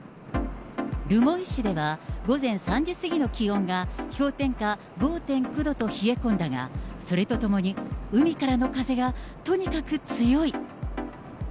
留萌市では、午前３時過ぎの気温が、氷点下５．９度と冷え込んだが、それとともに、海からの風がとにかく強い。